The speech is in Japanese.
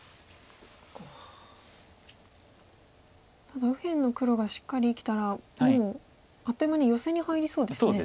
ただ右辺の黒がしっかり生きたらもうあっという間にヨセに入りそうですね。